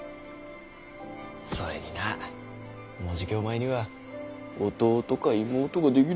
それになもうじきお前には弟か妹が出来る。